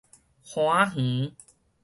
歡仔園